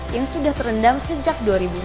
yang sudah terendam sejak dua ribu enam